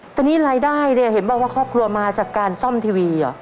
แต่นี่รายได้เนี่ยเห็นบอกว่าครอบครัวมาจากการซ่อมทีวี